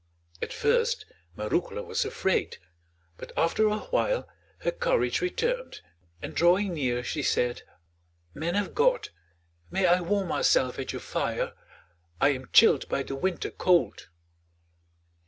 At first Marouckla was afraid, but after a while her courage returned and drawing near she said: "Men of God, may I warm myself at your fire? I am chilled by the winter cold."